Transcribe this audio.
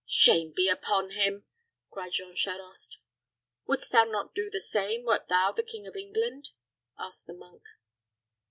"Shame be upon him," cried Jean Charost. "Wouldst thou not do the same wert thou the King of England?" asked the monk.